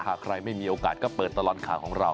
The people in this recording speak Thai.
หากใครไม่มีโอกาสก็เปิดตลอดข่าวของเรา